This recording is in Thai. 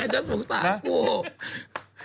จะสงสารกู